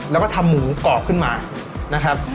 แล้วก็ทำหมูกรอบขึ้นมานะครับ